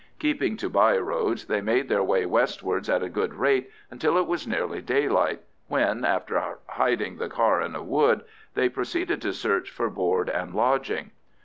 Keeping to byroads, they made their way westwards at a good rate until it was nearly daylight, when, after hiding the car in a wood, they proceeded to search for board and lodging.